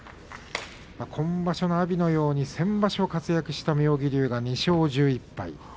今場所の阿炎のように先場所活躍した妙義龍は２勝１１敗。